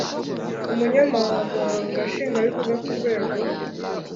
Umunyamabanga Nshingwabikorwa ku rwego